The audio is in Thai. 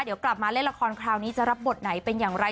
เดี๋ยวกลับมาเล่นละครคราวนี้จะรับบทไหนเป็นอย่างไร